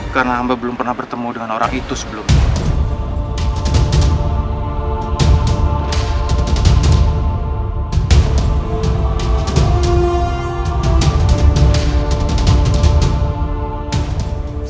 karena hamba belum pernah bertemu dengan orang itu sebelumnya